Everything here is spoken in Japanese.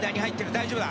大丈夫だ。